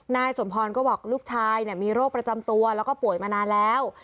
นายสมพรก็บอกลูกชายมีโรคประจำตัวแล้วก็ป่วยมานานแล้ว